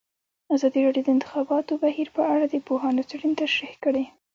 ازادي راډیو د د انتخاباتو بهیر په اړه د پوهانو څېړنې تشریح کړې.